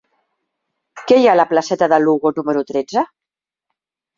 Què hi ha a la placeta de Lugo número tretze?